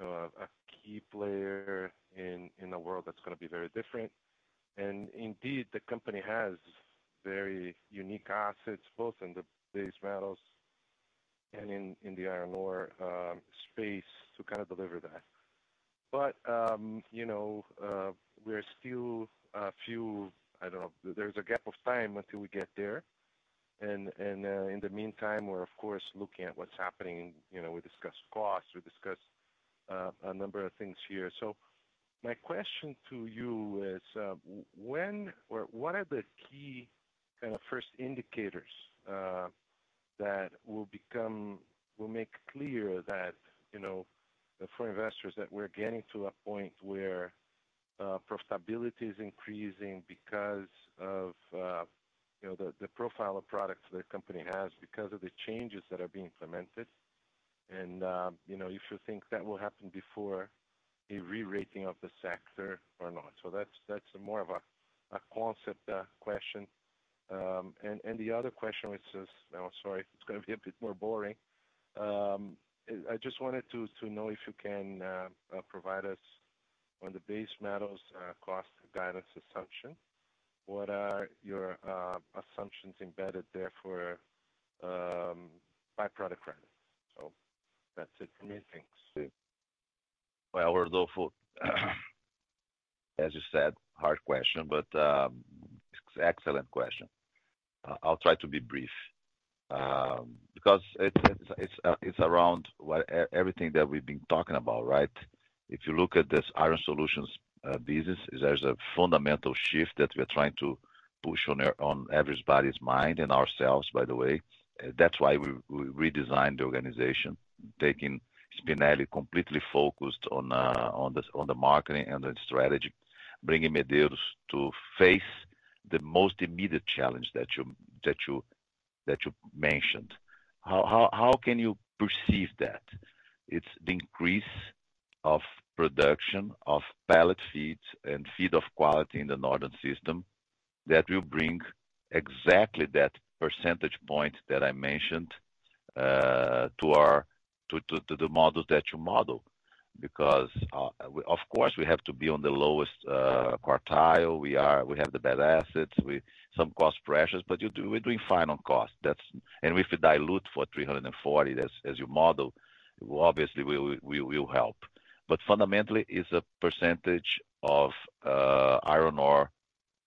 a key player in a world that's gonna be very different. Indeed, the company has very unique assets both in the base metals and in the iron ore space to kind of deliver that. You know, there's still a few, I don't know, there's a gap of time until we get there. In the meantime, we're of course looking at what's happening. You know, we discussed costs, we discussed a number of things here. My question to you is, when or what are the key kind of first indicators that will make clear that, you know, for investors, that we're getting to a point where profitability is increasing because of, you know, the profile of products the company has because of the changes that are being implemented and, you know, if you think that will happen before a re-rating of the sector or not. That's, that's more of a concept question. And the other question which is... Oh, sorry, it's gonna be a bit more boring. Is I just wanted to know if you can provide us on the base metals cost guidance assumption. What are your assumptions embedded there for by-product credits? That's it for me. Thanks. Well, Rodolfo. As you said, hard question, excellent question. I'll try to be brief, because it's everything that we've been talking about, right? If you look at this Iron Solutions business, there's a fundamental shift that we are trying to push on everybody's mind and ourselves, by the way. That's why we redesigned the organization, taking Spinelli completely focused on the marketing and the strategy, bringing Medeiros to face the most immediate challenge that you mentioned. How can you perceive that? It's the increase of production of pellet feeds and feed of quality in the northern system that will bring exactly that percentage point that I mentioned to the model that you model. Of course, we have to be on the lowest quartile. We have the bad assets. Some cost pressures, we're doing fine on cost. If we dilute for 340, as you modeled, obviously we will help. Fundamentally, it's a percentage of iron ore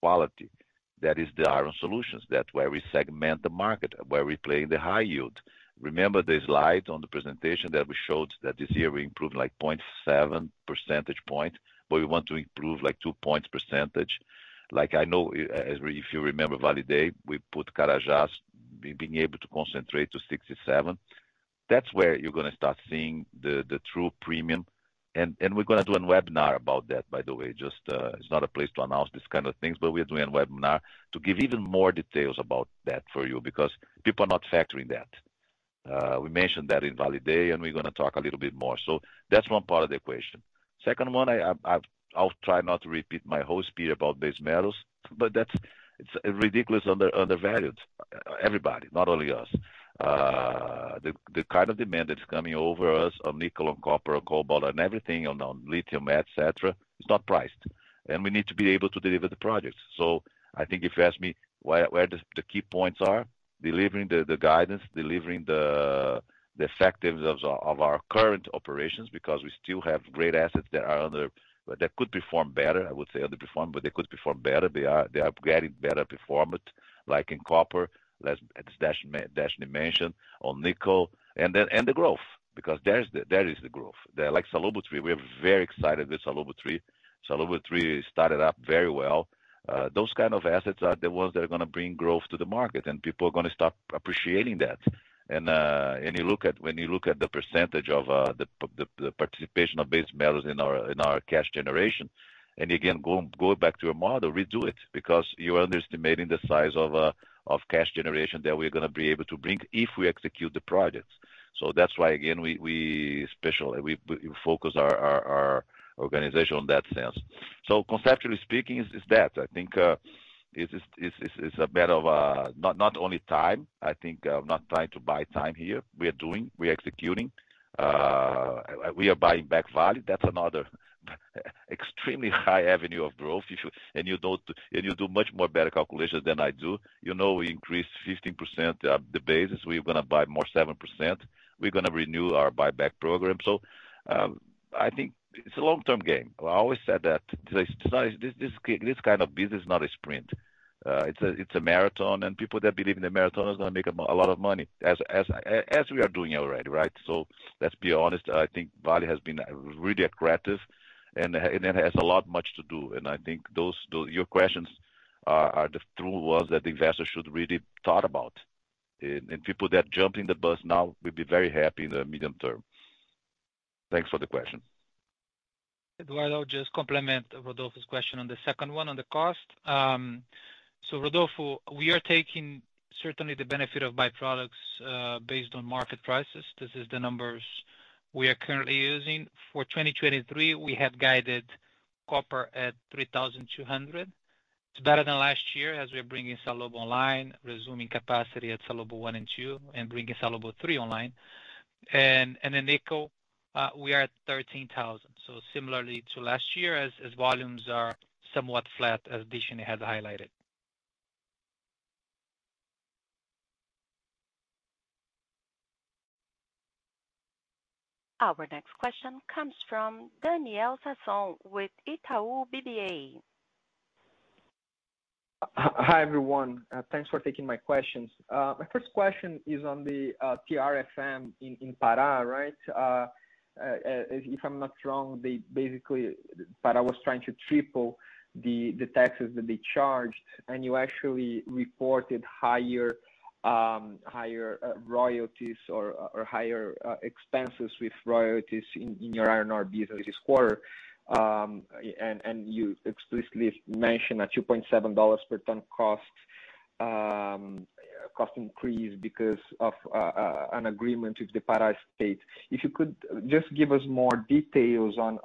quality. That is the Iron Ore Solutions. That's where we segment the market, where we play in the high yield. Remember the slide on the presentation that we showed that this year we improved, like, 0.7 percentage point, but we want to improve, like, 2 points percentage. Like, I know, if you remember Vale Day, we put Carajás being able to concentrate to 67. That's where you're gonna start seeing the true premium. We're gonna do a webinar about that, by the way, just. It's not a place to announce these kind of things. We are doing a webinar to give even more details about that for you because people are not factoring that. We mentioned that in Vale Day. We're gonna talk a little bit more. That's one part of the equation. Second one, I'll try not to repeat my whole spiel about base metals. It's ridiculous undervalued, everybody, not only us. The kind of demand that's coming over us on nickel, on copper, on cobalt, on everything, on lithium, et cetera, it's not priced. We need to be able to deliver the projects. I think if you ask me where the key points are, delivering the guidance, delivering the effectiveness of our current operations, because we still have great assets that could perform better. I would say underperform, but they could perform better. They are getting better performance, like in copper, as Deshnee mentioned, on nickel, and the growth, because there is the growth. Like Salobo-3, we're very excited with Salobo-3. Salobo-3 started up very well. Those kind of assets are the ones that are gonna bring growth to the market, and people are gonna start appreciating that. You look at when you look at the percentage of the participation of base metals in our, in our cash generation, and again, go back to your model, redo it because you're underestimating the size of cash generation that we're gonna be able to bring if we execute the projects. That's why, again, we focus our organization on that sense. Conceptually speaking, it's that. I think, it's a matter of not only time. I think I'm not trying to buy time here. We are doing, we're executing. We are buying back Vale. That's another extremely high avenue of growth if you. You do much more better calculations than I do. You know, we increased 15% the basis. We're gonna buy more 7%. We're gonna renew our buyback program. I think it's a long-term game. I always said that. This kind of business is not a sprint. it's a marathon, and people that believe in the marathon are gonna make a lot of money, as we are doing already, right? Let's be honest, I think Vale has been really aggressive and it has a lot much to do. I think those your questions are the true ones that investors should really thought about. People that jump in the bus now will be very happy in the medium term. Thanks for the question. Eduardo, just complement Rodolfo's question on the second one on the cost. Rodolfo, we are taking certainly the benefit of byproducts based on market prices. This is the numbers we are currently using. For 2023, we have guided copper at $3,200. It's better than last year as we're bringing Salobo online, resuming capacity at Salobo One and Two, and bringing Salobo Three online. In nickel, we are at $13,000. Similarly to last year as volumes are somewhat flat as Deshni has highlighted. Our next question comes from Daniel Sasson with Itaú BBA. Hi, everyone. Thanks for taking my questions. My first question is on the TFRM in Pará, right? If I'm not wrong, they basically Pará was trying to triple the taxes that they charge, and you actually reported higher royalties or higher expenses with royalties in your iron ore business this quarter. And you explicitly mentioned a $2.7 per ton cost increase because of an agreement with the Pará state. If you could just give us more details on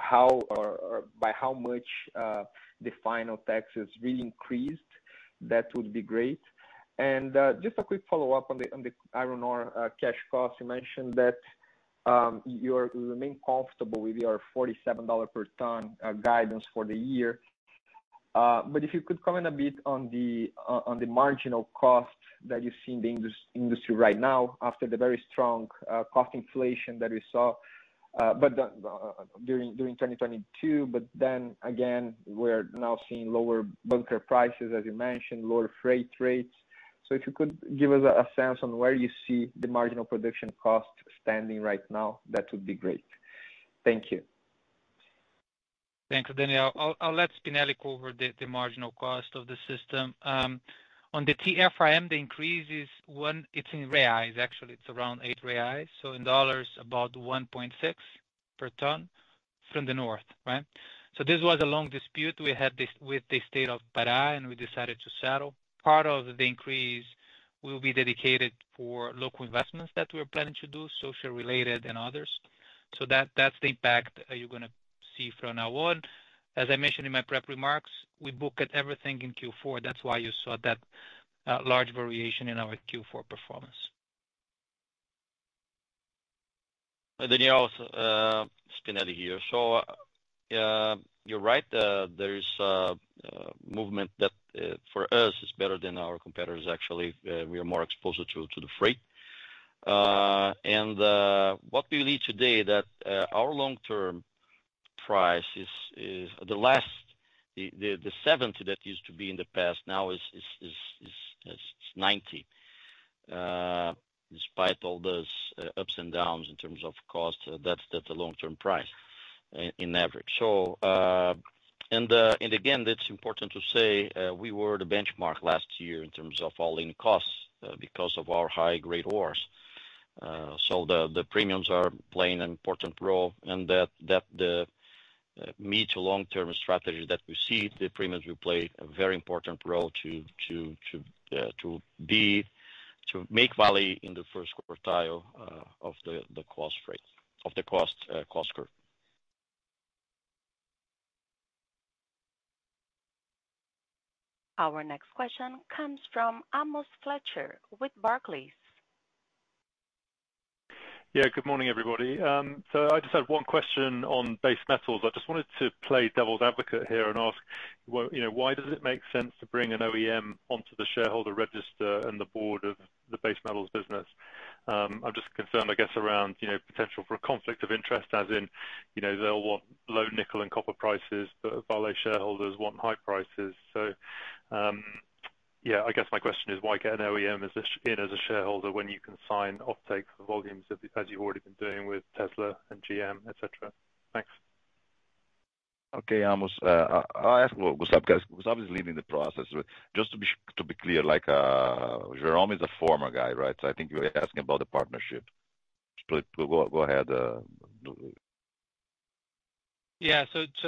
how or by how much the final taxes really increased, that would be great. Just a quick follow-up on the iron ore cash costs. You mentioned that, you remain comfortable with your $47 per ton guidance for the year. If you could comment a bit on the marginal cost that you see in the industry right now after the very strong cost inflation that we saw during 2022. Then again, we're now seeing lower bunker prices, as you mentioned, lower freight rates. If you could give us a sense on where you see the marginal production cost standing right now, that would be great. Thank you. Thanks, Daniel. I'll let Spinelli cover the marginal cost of the system. On the TFRM, the increase is one. It's in reais, actually, it's around 8 reais. In dollars about $1.6 per ton from the north, right? This was a long dispute we had this, with the state of Pará, and we decided to settle. Part of the increase will be dedicated for local investments that we're planning to do, social related and others. That, that's the impact you're gonna see from now on. As I mentioned in my prep remarks, we book at everything in Q4. That's why you saw that large variation in our Q4 performance. Daniel Spinelli here. You're right. There is a movement that for us is better than our competitors actually. We are more exposed to the freight. What we believe today that our long-term price is the last, the $70 that used to be in the past now is $90. Despite all those ups and downs in terms of cost, that's the long-term price in average. Again, that's important to say, we were the benchmark last year in terms of all-in costs because of our high-grade ores. The premiums are playing an important role, and that the mid to long-term strategy that we see, the premiums will play a very important role to make Vale in the first quartile of the cost curve. Our next question comes from Amos Fletcher with Barclays. Yeah. Good morning, everybody. I just had one question on base metals. I just wanted to play devil's advocate here and ask, you know, why does it make sense to bring an OEM onto the shareholder register and the board of the base metals business? I'm just concerned, I guess, around, you know, potential for a conflict of interest, as in, you know, they'll want low nickel and copper prices, but Vale shareholders want high prices. Yeah, I guess my question is, why get an OEM as a in as a shareholder when you can sign offtake volumes as you've already been doing with Tesla and GM, et cetera? Thanks. Okay, Amos. I'll ask, well, Gustavo, because Gustavo is leading the process. Just to be clear, like, Jerome is a former guy, right? I think you were asking about the partnership. Go ahead. Yeah.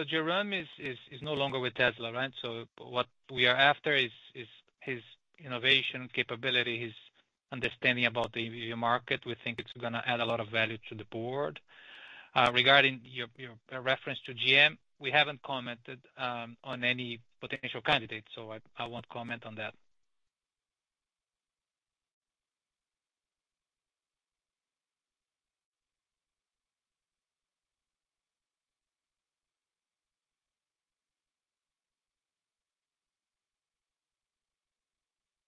Jerome is no longer with Tesla, right? What we are after is his innovation capability, his understanding about the EV market. We think it's gonna add a lot of value to the board. Regarding your reference to GM, we haven't commented on any potential candidates, I won't comment on that.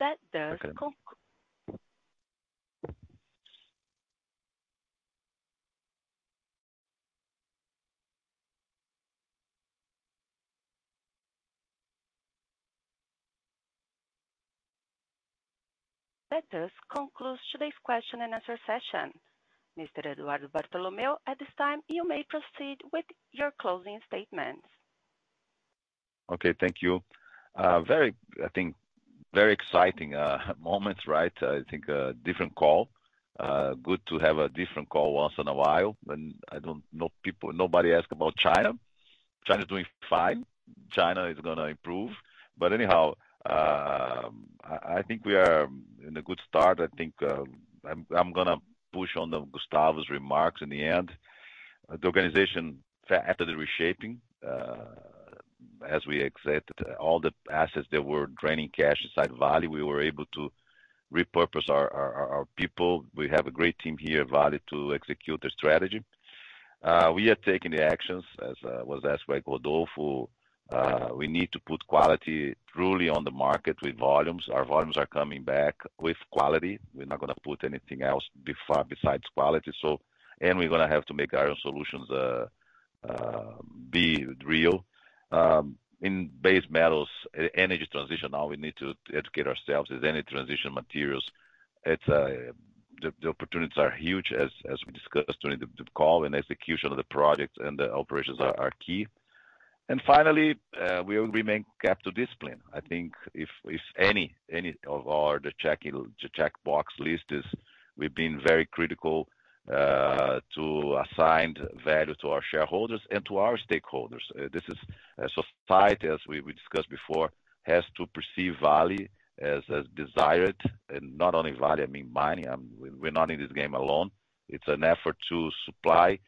That does concludes today's question and answer session. Mr. Eduardo Bartolomeo, at this time, you may proceed with your closing statements. Okay. Thank you. Very, I think very exciting moment, right? I think a different call. Good to have a different call once in a while when I don't know people... Nobody ask about China. China is doing fine. China is gonna improve. Anyhow, I think we are in a good start. I think, I'm gonna push on the Gustavo's remarks in the end. The organization, after the reshaping, as we accepted all the assets that were draining cash inside Vale, we were able to repurpose our people. We have a great team here at Vale to execute the strategy. We are taking the actions, as was asked by Rodolfo. We need to put quality truly on the market with volumes. Our volumes are coming back with quality. We're not gonna put anything else besides quality. We're gonna have to make our own solutions be real. In base metals, Energy Transition now we need to educate ourselves as Energy Transition Materials. The opportunities are huge as we discussed during the call. Execution of the projects and the operations are key. Finally, we will remain capital discipline. I think if any of our, the check, the checkbox list is we've been very critical to assigned value to our shareholders and to our stakeholders. This is society, as we discussed before, has to perceive Vale as desired. Not only Vale, I mean mining. We're not in this game alone. It's an effort to supply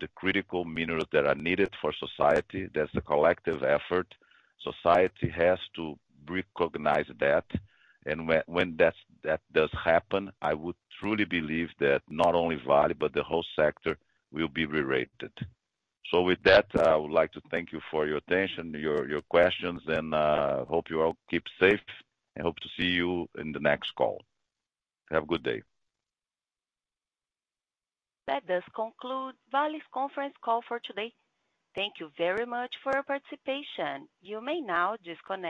the critical minerals that are needed for society. That's a collective effort. Society has to recognize that. When that does happen, I would truly believe that not only Vale, but the whole sector will be rerated. With that, I would like to thank you for your attention, your questions, and hope you all keep safe. I hope to see you in the next call. Have a good day. That does conclude Vale's conference call for today. Thank you very much for your participation. You may now disconnect your-